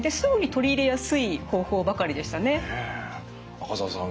赤澤さん